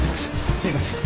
すいません。